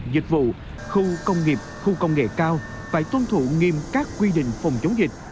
dịch vụ khu công nghiệp khu công nghệ cao phải tuân thủ nghiêm các quy định phòng chống dịch